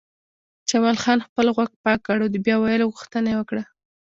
جمال خان خپل غوږ پاک کړ او د بیا ویلو غوښتنه یې وکړه